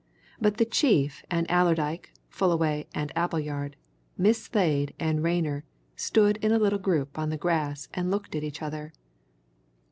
But the chief and Allerdyke, Fullaway and Appleyard, Miss Slade and Rayner stood in a little group on the grass and looked at each other.